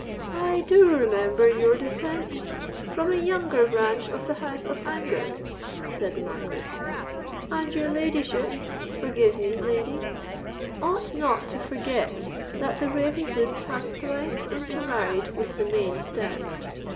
"I do remember your descent—from a younger branch of the house of Angus," said the Marquis; "and your ladyship—forgive me, lady—ought not to forget that the Ravenswoods have thrice intermarried with the main stem.